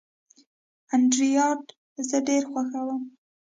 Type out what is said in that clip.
انډرایډ زه ډېر خوښوم.